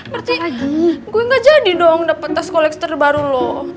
berarti gue gak jadi dong dapet tas koleksi terbaru lo